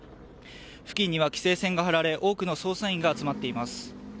付近には、規制線が張られ多くの捜査員が集まっています。